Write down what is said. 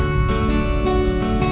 apa ini terjadi